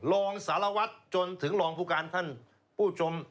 รองสารวัตรจนถึงรองผู้การท่านผู้ชม